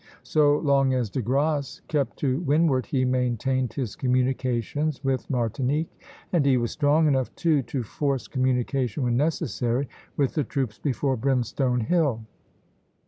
So long as De Grasse kept to windward, he maintained his communications with Martinique, and he was strong enough, too, to force communication when necessary with the troops before Brimstone Hill.